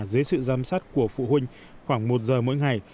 dưới sự giám sát của phụ huynh khoảng một giờ mỗi ngày